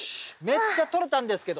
めっちゃとれたんですけど！